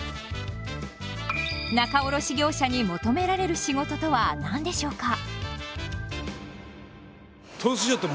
仲卸業者に求められる仕事とは何でしょうか。